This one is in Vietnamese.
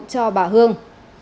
cho bà hương